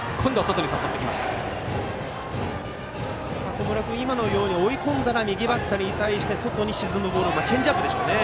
小室君、今のように追い込んだら右バッターに対して外に沈むボールチェンジアップでしょうね。